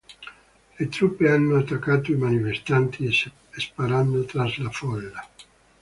Le truppe hanno attaccato i manifestanti, sparando tra la folla.